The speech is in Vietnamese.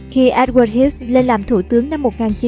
khi edward heath lên làm thủ tướng năm một nghìn chín trăm bảy mươi